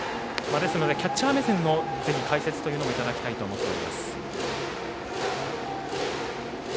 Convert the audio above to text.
ですのでキャッチャー目線のぜひ解説もいただきたいと思っています。